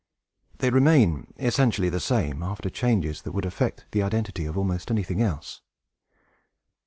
They remain essentially the same, after changes that would affect the identity of almost anything else.